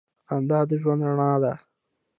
• خندا د ژوند رڼا ده.